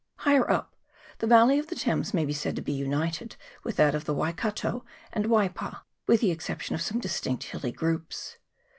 Higher up, the valley of the Thames may be said to be united with that of the Waikato and Waipa, with the exception of some distinct hilly groups.